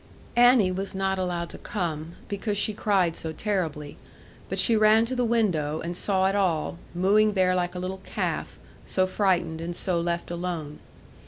Annie was not allowed to come, because she cried so terribly; but she ran to the window, and saw it all, mooing there like a little calf, so frightened and so left alone.